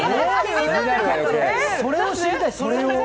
それを知りたい、それを。